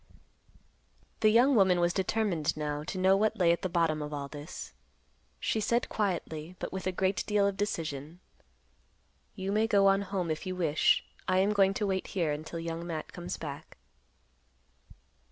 The young woman was determined now to know what lay at the bottom of all this. She said quietly, but with a great deal of decision, "You may go on home if you wish; I am going to wait here until Young Matt comes back."